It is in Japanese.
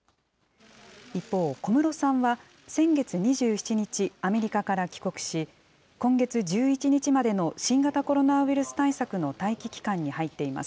一方、小室さんは、先月２７日、アメリカから帰国し、今月１１日までの新型コロナウイルス対策の待機期間に入っています。